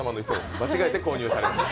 間違えて購入されました。